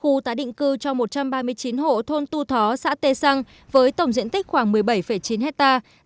khu tái định cư cho một trăm ba mươi chín hộ thôn tu thó xã tê săng với tổng diện tích khoảng một mươi bảy chín hectare